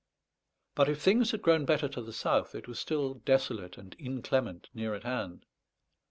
But if things had grown better to the south, it was still desolate and inclement near at hand.